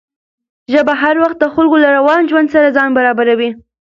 ژبه هر وخت د خلکو له روان ژوند سره ځان برابروي.